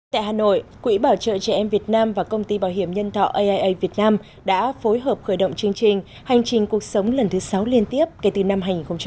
tại hà nội quỹ bảo trợ trẻ em việt nam và công ty bảo hiểm nhân thọ aia việt nam đã phối hợp khởi động chương trình hành trình cuộc sống lần thứ sáu liên tiếp kể từ năm hai nghìn một mươi